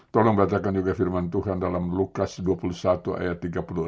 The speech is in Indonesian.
tolong bacakan juga firman tuhan dalam lukas dua puluh satu ayat tiga puluh enam